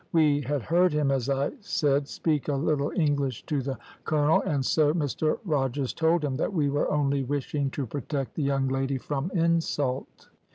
We had heard him, as I said, speak a little English to the colonel, and so Mr Rogers told him that we were only wishing to protect the young lady from insult.